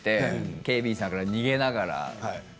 警備員さんから逃げながら。